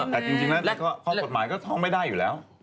แต่จริงแล้วข้อกฎหมายก็ท้องไม่ได้อยู่แล้ว